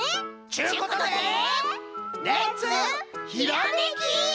ちゅうことでレッツひらめき！